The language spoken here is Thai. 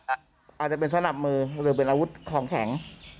อาจจะเป็นสนับมือหรือเป็นอาวุธของแข็ง